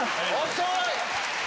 遅い！